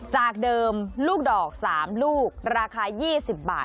จากเดิมลูกดอก๓ลูกราคา๒๐บาท